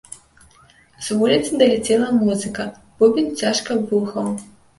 З вуліцы даляцела музыка, бубен цяжка вухаў.